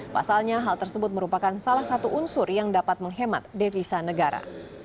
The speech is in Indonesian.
pasalnya hal tersebut merupakan salah satu unsur yang dapat menghemat devisa negara